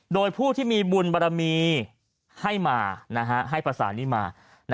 โดยผู้ที่มีบุญบารมีให้มาให้ภาษานี้มา